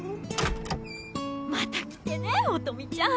また来てね音美ちゃん。